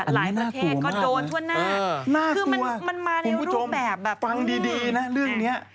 หลายประเทศก็โดนทั่วหน้าคือมันมาในรูปแบบแบบอืม